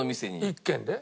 １軒で？